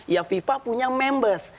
ya fifa punya members